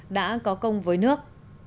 đã có công với nước